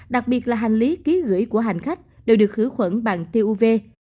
đặc biệt là hành lý ký gửi của hành khách đều được khử khuẩn bằng tuv